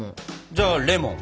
じゃあレモン。